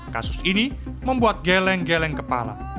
kasus ini membuat geleng geleng kepala